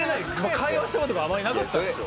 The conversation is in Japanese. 会話した事があまりなかったんですよ。